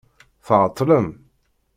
Tɛeṭlem.